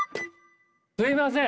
すみません！